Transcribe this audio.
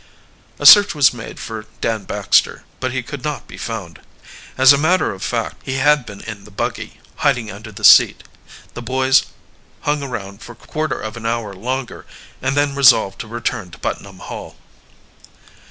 A search was made for Dan Baxter, but he could not be found. As a matter of fact, he had been in the buggy, hiding under the seat. The boys hung around for quarter of an hour longer, and then resolved to return to Putnam Hall.